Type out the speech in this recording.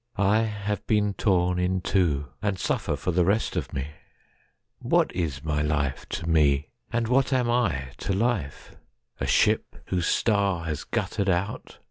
I have been tornIn two, and suffer for the rest of me. What is my life to me? And what am ITo life,—a ship whose star has guttered out?